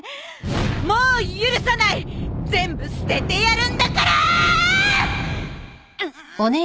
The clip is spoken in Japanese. もう許さない全部捨ててやるんだからー！も！